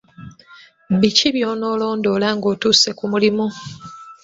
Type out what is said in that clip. Biki by'onoolondoola ng'otuuse ku mulimu?